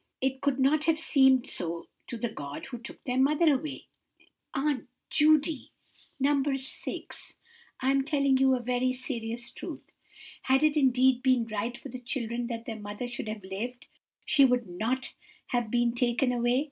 It could not have seemed so to the God who took their mother away." "Aunt Judy—" "No. 6, I am telling you a very serious truth. Had it indeed been right for the children that their mother should have lived, she would not have been taken away.